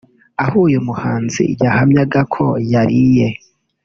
aho uyu muhanzi yahamyaga ko yari iye